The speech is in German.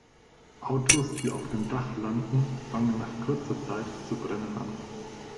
Autos, die auf dem Dach landen, fangen nach kurzer Zeit zu brennen an.